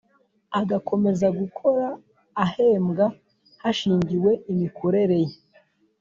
agakomeza gukora ahembwa hashingiwe imikorere ye